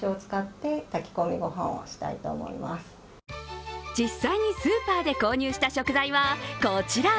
なので実際にスーパーで購入した食材は、こちら。